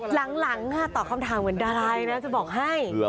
หลังหลังตอบคำถามเหมือนดาราไหว้นะเดี๋ยวจะบอกให้